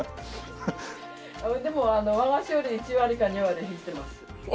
でも和菓子より１割か２割引いてます。